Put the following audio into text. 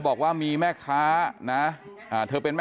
โลกไว้แล้วพี่ไข่โลกไว้แล้วพี่ไข่